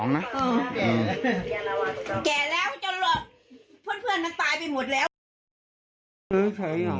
แก่แล้วจนแล้วเพื่อนมันตายไปหมดแล้ว